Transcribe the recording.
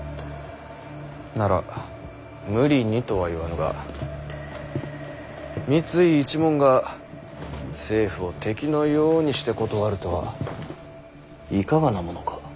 なら無理にとは言わぬが三井一門が政府を敵のようにして断るとはいかがなものか。